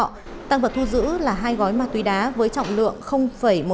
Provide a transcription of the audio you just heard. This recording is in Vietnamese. trong đó tăng vật thu giữ là hai gói ma túy đá với trọng lượng một trăm năm mươi tám g